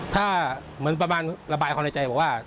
ถ้าเหมือนประมาณระบายความในใจบอกว่า